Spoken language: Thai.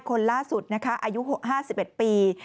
คนล่าสุดนะคะอายุ๕๑ปี